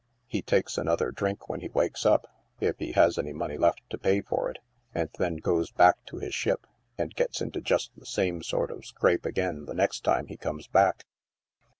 He takes another drink when he wakes up, if he has money enough left to pay for it, and then goes back to his ship, and gels into just the same sort of scrape again the next time he comes back."